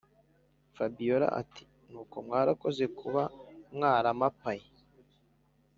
fabiora ati”nuko mwarakoze kuba mwaramapaye